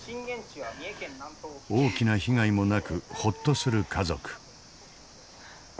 大きな被害もなくほっとする家族。